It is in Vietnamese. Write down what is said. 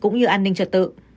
cũng như an ninh trật tự